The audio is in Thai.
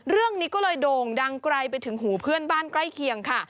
เรื่องนี้ก็เลยโด่งดังไกลไปถึงหูเพื่อนบ้านใกล้เคียงค่ะ